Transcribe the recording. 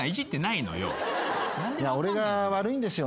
いや俺が悪いんですよね。